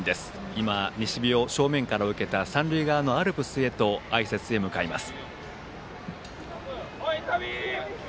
今、西日を正面から受けた三塁側アルプスにあいさつへ向かいます。